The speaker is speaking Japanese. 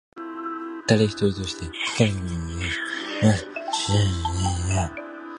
だれ一人としてここをかけ抜けることはできないし、まして死者のたよりをたずさえてかけ抜けることはできない。